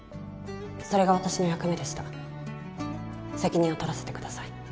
それが私の役目でした責任を取らせてください